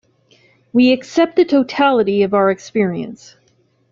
We accept the totality of our experience.